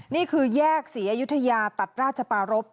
นี่คือแยกศรีอยุธยาตัดราชปารพ